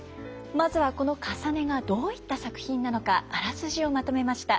まずはこの「かさね」がどういった作品なのかあらすじをまとめました。